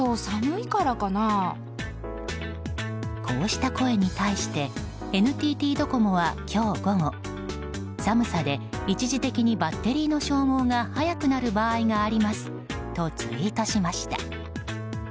こうした声に対してＮＴＴドコモは今日午後寒さで一時的にバッテリーの消耗が早くなる場合がありますとツイートしました。